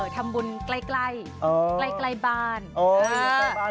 ทำบุญใกล้ใกล้บ้าน